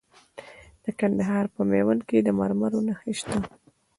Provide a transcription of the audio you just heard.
د کندهار په میوند کې د مرمرو نښې شته.